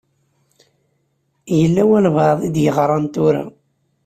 Yella walebɛaḍ i d-yeɣṛan tura.